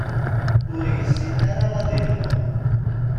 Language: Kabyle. Ur yessin ara ad ileqqem.